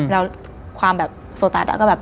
แล้วความแบบโซตัสก็แบบ